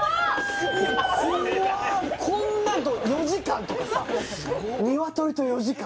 こんなんと４時間とかさ